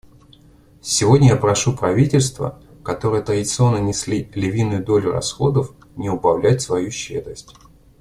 Сегодня я прошу правительства, которые традиционно несли львиную долю расходов, не убавлять свою щедрость.